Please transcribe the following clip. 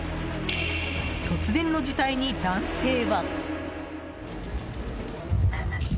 突然の事態に、男性は。